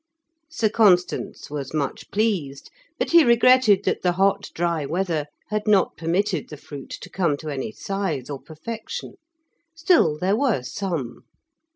Sir Constans was much pleased; but he regretted that the hot, dry weather had not permitted the fruit to come to any size or perfection. Still there were some.